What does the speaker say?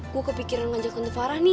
gue kepikiran ngajak tante farah nih